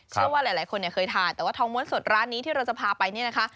เชื่อว่าหลายคนเนี่ยเคยทานแต่ว่าทองม้วนสดร้านนี้ที่เราจะพาไปเนี่ยนะคะ